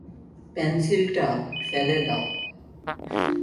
পেন্সিলটা ফেলে দাও।